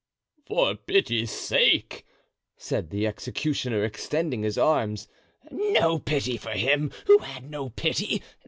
"For pity's sake," said the executioner, extending his arms. "No pity for him who had no pity!